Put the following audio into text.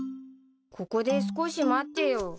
ここで少し待ってよう。